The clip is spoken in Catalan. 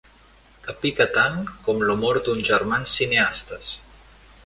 Que pica tant com l'humor d'uns germans cineastes.